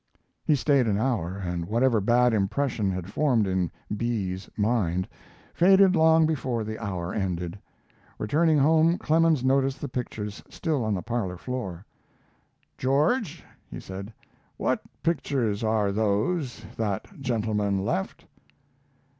He stayed an hour, and whatever bad impression had formed in B 's mind faded long before the hour ended. Returning home Clemens noticed the pictures still on the parlor floor. "George," he said, "what pictures are those that gentleman left?"